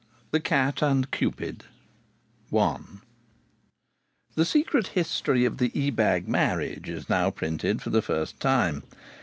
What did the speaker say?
THE CAT AND CUPID I The secret history of the Ebag marriage is now printed for the first time.